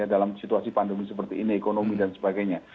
dalam situasi pandemi seperti ini ekonomi dan sebagainya